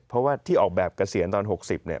เพราะว่าที่ออกแบบเกษียณตอน๖๐เนี่ย